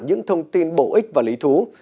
những thông tin bổ ích và lý thú